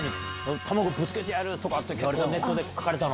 卵ぶつけてやるとかって、結構ネットで書かれたの？